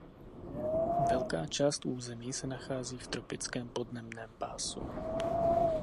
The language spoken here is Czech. Velká část území se nachází v tropickém podnebném pásu.